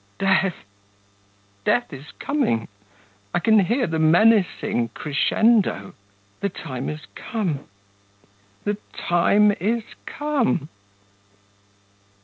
Death, death is coming. I can hear her menacing crescendo. The time is come ... the time is come!...